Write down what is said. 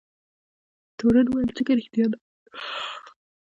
تورن وویل څنګه رښتیا نه وایم.